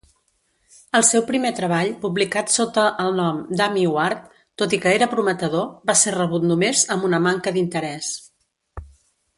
El seu primer treball, publicat sota el nom d'Amy Ward, tot i que era prometedor, va ser rebut només amb una manca d'interès.